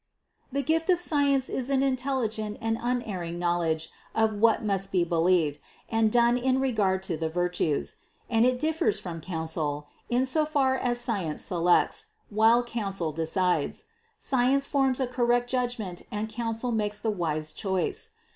The gift of science is an intelligent and unerring knowledge of what must be believed and done in regard to the virtues, and it differs from counsel, in so far as science selects, while counsel decides; science forms a correct judgment and counsel makes the wise choice.